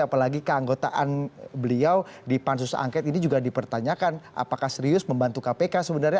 apalagi keanggotaan beliau di pansus angket ini juga dipertanyakan apakah serius membantu kpk sebenarnya